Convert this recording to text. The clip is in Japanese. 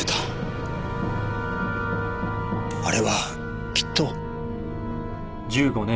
あれはきっと。